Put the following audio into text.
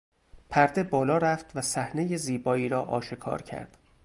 پرده بالا رفت و صحنهی زیبایی را آشکار کرد.